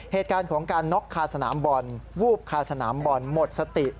เหตุการณ์ของการน็อกคาสนามบอลวูบคาสนามบอลหมดสติ